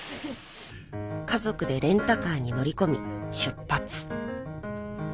［家族でレンタカーに乗り込み出発］